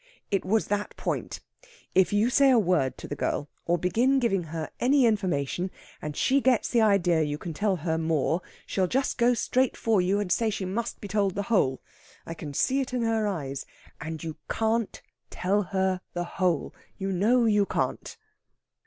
"It was that point. If you say a word to the girl, or begin giving her any information, and she gets the idea you can tell her more, she'll just go straight for you and say she must be told the whole. I can see it in her eyes. And you can't tell her the whole. You know you can't!"